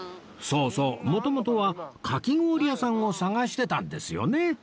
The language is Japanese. そうそう元々はかき氷屋さんを探してたんですよね